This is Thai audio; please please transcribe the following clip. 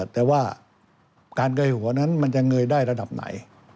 แต่ว่าการเกยหัวนั้นมันจะเงยได้ระดับไหน